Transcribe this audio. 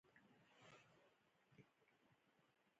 اصول قوانين اصلاح کړو.